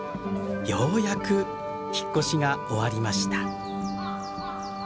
ようやく引っ越しが終わりました。